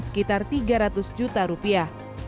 sekitar tiga ratus juta rupiah